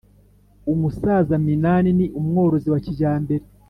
umusaza minani ni umworozi wa kijyambere